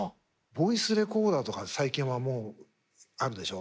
ボイスレコーダーとか最近はもうあるでしょ。